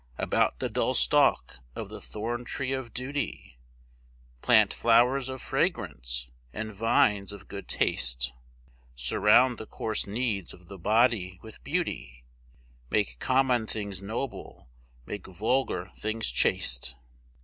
About the dull stalk of the thorntree of duty Plant flowers of fragrance and vines of good taste. Surround the coarse needs of the body with beauty, Make common things noble, make vulgar things chaste.